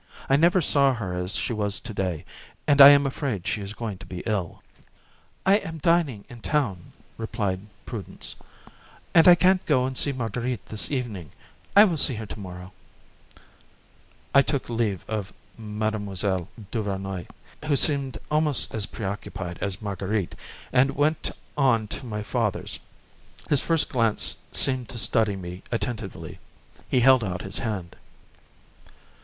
I never saw her as she was to day, and I am afraid she is going to be ill." "I am dining in town," replied Prudence, "and I can't go and see Marguerite this evening. I will see her tomorrow." I took leave of Mme. Duvernoy, who seemed almost as preoccupied as Marguerite, and went on to my father's; his first glance seemed to study me attentively. He held out his hand.